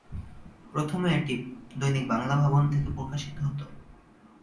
প্রথমে এটি দৈনিক বাংলা ভবন থেকে প্রকাশিত হতো।